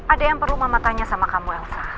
ada yang perlu mama tanya sama kamu elsa